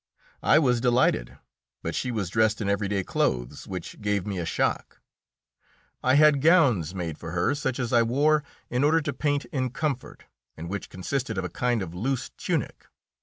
I was delighted, but she was dressed in every day clothes, which gave me a shock. I had gowns made for her such as I wore in order to paint in comfort, and which consisted of a kind of loose tunic.